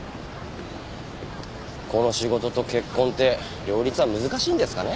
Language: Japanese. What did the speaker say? この仕事と結婚って両立は難しいんですかね？